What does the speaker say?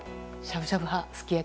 しゃぶしゃぶ派？